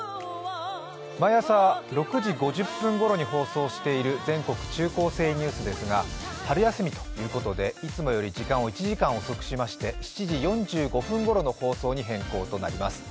毎朝６時５０分ごろに放送している「全国中高生ニュース」ですが春休みということでいつもより時間を１時間遅くしまして、７時４５分ごろの放送となります。